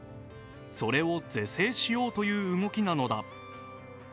それを是正しようという動きなのだ。